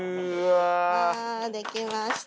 できました。